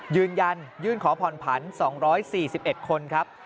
ยืนยันยื่นขอผ่อนผัน๒๔๑คนครับ